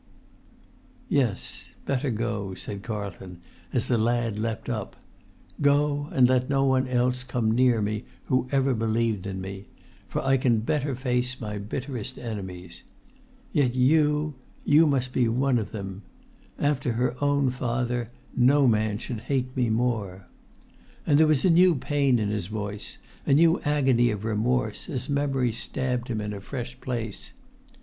"Yes; better go," said Carlton, as the lad leapt up. "Go; and let no one else come near me who ever believed in me; for I can better face my bitterest enemies. Yet you—you must be one of them! After her own father, no man should hate me more!" And there was a new pain in his voice, a new agony of remorse, as memory stabbed him in a fresh place.